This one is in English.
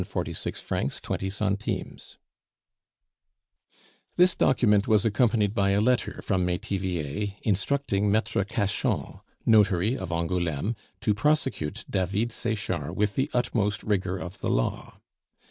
... 1046 20 __________ This document was accompanied by a letter from Metivier, instructing Maitre Cachan, notary of Angouleme, to prosecute David Sechard with the utmost rigor of the law.